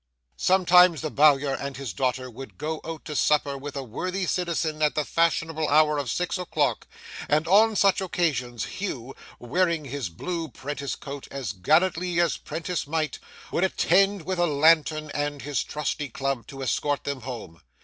Sometimes the Bowyer and his daughter would go out to supper with a worthy citizen at the fashionable hour of six o'clock, and on such occasions Hugh, wearing his blue 'prentice cloak as gallantly as 'prentice might, would attend with a lantern and his trusty club to escort them home.